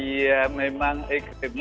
ya memang ekstrim